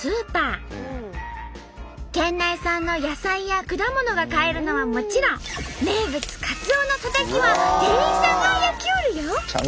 県内産の野菜や果物が買えるのはもちろん名物かつおのたたきは店員さんが焼きよるよ！